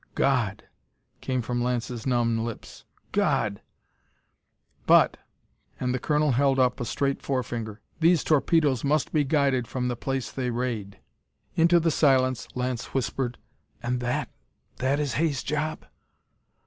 "God!" came from Lance's numb lips. "God!" "But" and the colonel held up a straight forefinger "these torpedoes must be guided from the place they raid!" Into the silence Lance whispered: "And that that is Hay's job?"